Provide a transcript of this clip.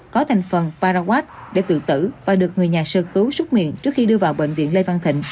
có thành phần paraguad để tự tử và được người nhà sơ cứu xúc miệng trước khi đưa vào bệnh viện lê văn thịnh